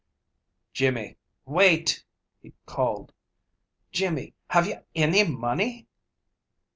"Jimmy, wait!" he called. "Jimmy, have ye any money?"